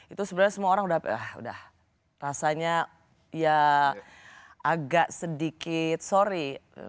itu sebenarnya semua orang udah rasanya ya agak sedikit sorry